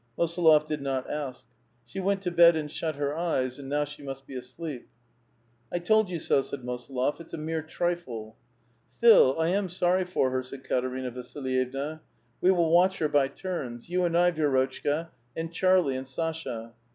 Mosolof did not ask. " She went to bed and shut her eyes, and now she must be asleep." " I told you so," said Mosolof ;" it's a mere trifle." "Still, 1 am sorry for her," said Katerina Vasllyevna. *' We will watch her by turns : you and I, Vi^rotchka, and Charlie and Sasha."